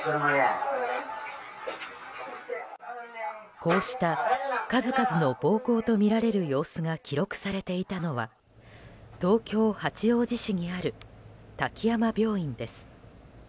こうした数々の暴行とみられる様子が記録されていたのは東京・八王子市にある滝山病院です。